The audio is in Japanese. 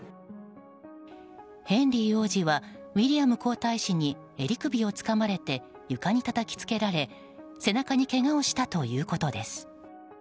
ヘンリー王子はウィリアム皇太子に襟首を掴まれて床にたたきつけられ背中にけがをしたということです。